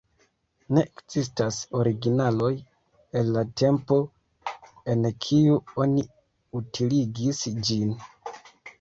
Ne ekzistas originaloj el la tempo, en kiu oni utiligis ĝin.